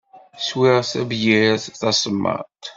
Swiɣ tabeyyirt tasemmaḍt.